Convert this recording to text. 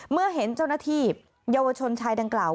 เมื่อเห็นเจ้าหน้าที่เยาวชนชายดังกล่าว